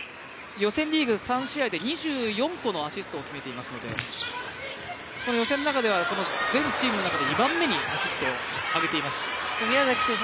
予選リーグ３試合で２４個のアシストを決めていますので予選の中では全チームの中で２番目にアシストをあげています宮崎選手